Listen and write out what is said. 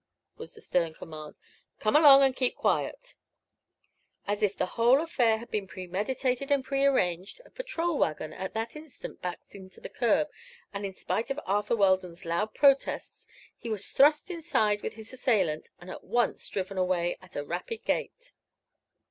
was the stern command. "Come along and keep quiet." As if the whole affair had been premeditated and prearranged a patrol wagon at that instant backed to the curb and in spite of Arthur Weldon's loud protests he was thrust inside with his assailant and at once driven away at a rapid gait.